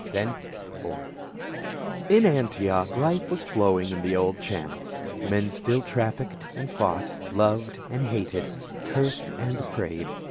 SENT FORTH. IN Antioch life was flowing in the old channels. Men still trafficked and fought, loved and hated, cursed and prayed.